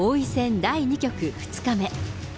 第２局２日目。